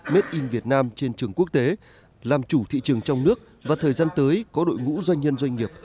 made in vietnam trên trường quốc tế làm chủ thị trường trong nước và thời gian tới có đội ngũ doanh nhân doanh nghiệp